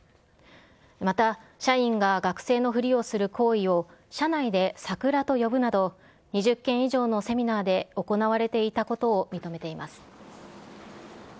また、社員が学生のふりをする行為を社内でサクラと呼ぶなど、２０件以上のセミナーで行われていたことを認めています。